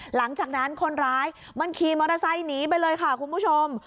หลังจากนั้นคนร้ายมันขี่มอเตอร์ไซค์หนีไปเลยค่ะคุณผู้ชม